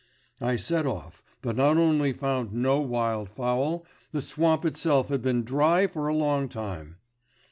I set off, but not only found no wild fowl, the swamp itself had been dry for a long time.